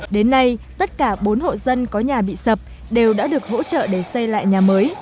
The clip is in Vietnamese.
đến nay tất cả bốn hộ dân có nhà bị sập đều đã được hỗ trợ để xây lại nhà mới